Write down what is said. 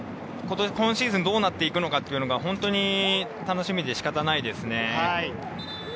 今シーズン、どうなっていくのかっていうのが本当に楽しみでしかたないですね。